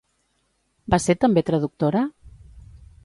Va ser també traductora?